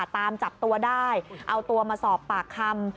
ตามจับตัวได้เอาตัวมาสอบปากคำ